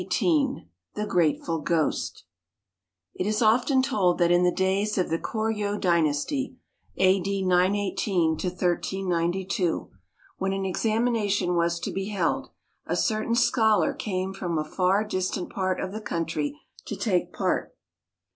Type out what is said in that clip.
XVIII THE GRATEFUL GHOST It is often told that in the days of the Koryo Dynasty (A.D. 918 1392), when an examination was to be held, a certain scholar came from a far distant part of the country to take part.